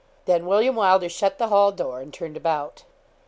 Then William Wylder shut the hall door, and turned about.